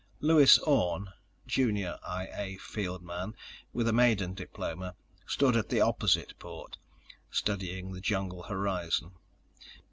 Lewis Orne, junior I A field man with a maiden diploma, stood at the opposite port, studying the jungle horizon.